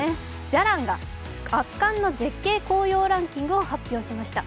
「じゃらん」が圧巻の絶景紅葉ランキングを発表しました。